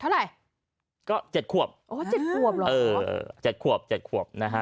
เท่าไรก็๗ควบอ๋อ๗ควบหรอ